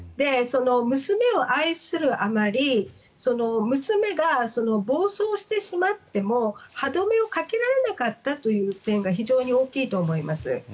娘を愛するあまり娘が暴走してしまっても歯止めをかけられなかったという点が非常に大きいと思います。